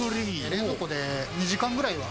冷蔵庫で２時間ぐらいは。